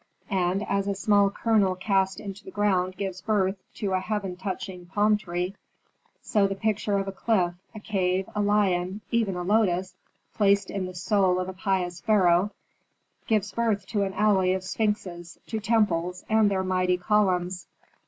And as a small kernel cast into the ground gives birth to a heaven touching palm tree, so the picture of a cliff, a cave, a lion, even a lotus, placed in the soul of a pious pharaoh, gives birth to an alley of sphinxes, to temples and their mighty columns.